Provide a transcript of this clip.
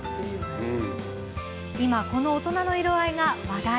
今、この大人の色合いが話題。